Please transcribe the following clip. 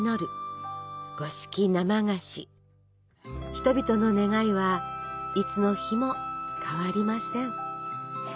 人々の願いはいつの日も変わりません。